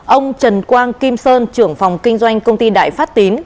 ông trần quang kim sơn trưởng phòng kinh doanh công ty đại phát tín